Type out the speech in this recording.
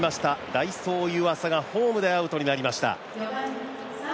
代走・湯浅がホームでアウトになりました。